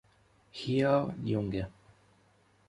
Ihr Junge